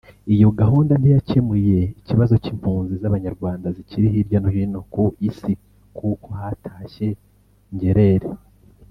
Iyo gahunda ntiyakemuye ikibazo cy’impunzi z’Abanyarwanda zikiri hirya no hino ku Isi kuko hatashye ngerere